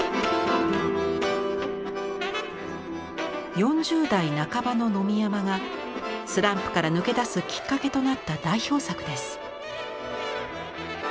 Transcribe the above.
４０代半ばの野見山がスランプから抜け出すきっかけとなった代表作です。